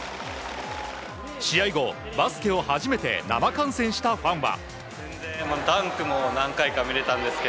試合後、バスケを初めて生観戦したファンは。